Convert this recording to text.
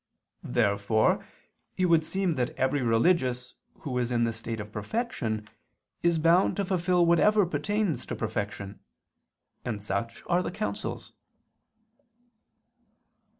Therefore it would seem that every religious who is in the state of perfection is bound to fulfil whatever pertains to perfection: and such are the counsels.